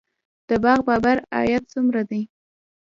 د باغ بابر عاید څومره دی؟